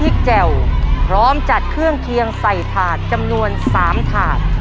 แจ่วพร้อมจัดเครื่องเคียงใส่ถาดจำนวน๓ถาด